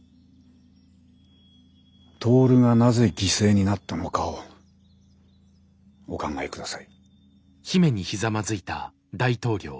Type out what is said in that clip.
トオルがなぜ犠牲になったのかをお考え下さい。